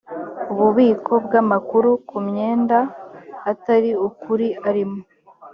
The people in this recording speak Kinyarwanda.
bubiko bw amakuru ku myenda atari ukuri arimo